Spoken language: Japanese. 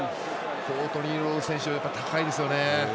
コートニー・ローズ選手高いですよね。